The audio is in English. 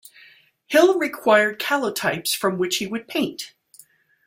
Hill required calotypes from which he would paint.